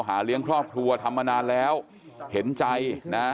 เลี้ยงครอบครัวทำมานานแล้วเห็นใจนะ